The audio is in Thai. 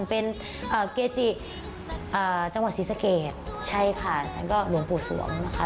เป็นเกจิจังหวัดศรีสะเกดใช่ค่ะท่านก็หลวงปู่สวงนะคะ